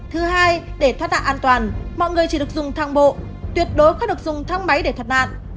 thứ hai để thoát đạn an toàn mọi người chỉ được dùng thang bộ tuyệt đối không được dùng thang máy để thoát nạn